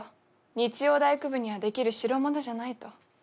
日曜大工部にはできる代物じゃないと。